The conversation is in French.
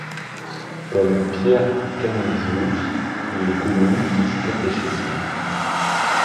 Comme Pierre Canisius, il est connu pour ses catéchismes.